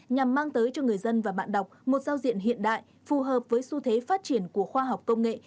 nhằm mang tới cho người dân và bạn đọc một giao diện hiện đại phù hợp với xu thế phát triển của khoa học công nghệ